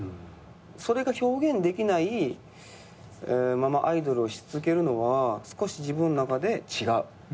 それが表現できないままアイドルをし続けるのは少し自分の中で違う。